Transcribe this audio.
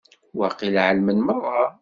Waqil ɛelmen merra.